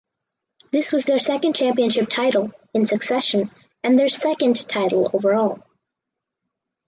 This was their second championship title in succession and their second title overall.